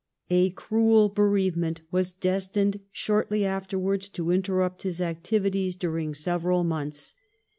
A cruel bereavement was destined shortly afterwards to interrupt his activities during A LABORIOUS YOUTH 31 several months.